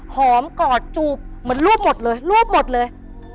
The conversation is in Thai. หอมก่อจูบมันลั่วหมดเลย